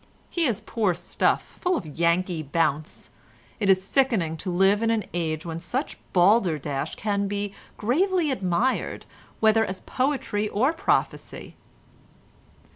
He is poor stuff, full of Yankee bounce; it is sickening to live in an age when such balderdash can be gravely admired whether as poetry or prophecy."